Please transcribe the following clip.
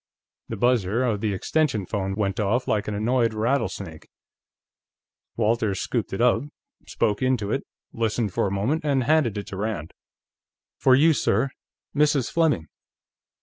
The buzzer of the extension phone went off like an annoyed rattlesnake. Walters scooped it up, spoke into it, listened for a moment, and handed it to Rand. "For you, sir; Mrs. Fleming."